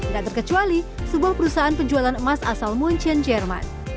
dan terkecuali sebuah perusahaan penjualan emas asal muncun jerman